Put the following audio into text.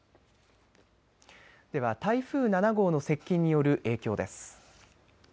では、台風７号の接近による影響です。